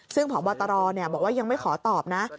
ซึ่งพบตรบอกว่ายังไม่ขอตอบนะ